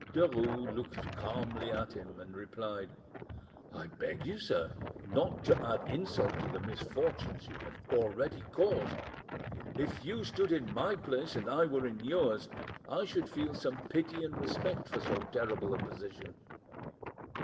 Derues looked calmly at him, and replied— "I beg you, sir, not to add insult to the misfortunes you have already caused. If you stood in my place and I were in yours, I should feel some pity and respect for so terrible a position.